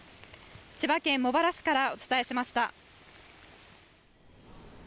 千葉県茂原市からお伝えしました。